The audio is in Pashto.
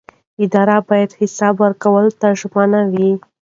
ادارې باید حساب ورکولو ته ژمنې وي